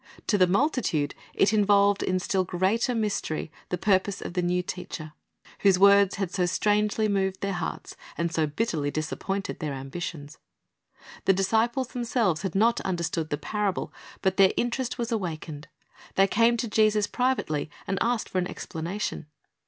To the multitude it involved in still greater mystery the purpose of the new teacher, whose words had so strangely moved their hearts, and so bitterly disappointed their ambidons. The disciples themselves had not understood the parable, but their interest was awakened. They came to Jesus privately, and asked for an explanation.